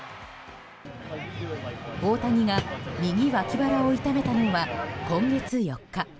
大谷が右脇腹を痛めたのは今月４日。